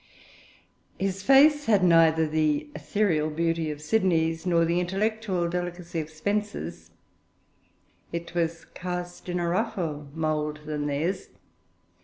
His face had neither the ethereal beauty of Sidney's nor the intellectual delicacy of Spenser's; it was cast in a rougher mould than theirs.